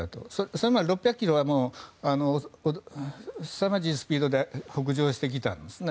それまではすさまじいスピードで北上してきたんですね。